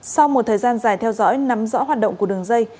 sau một thời gian dài theo dõi nắm rõ hoạt động của đường dây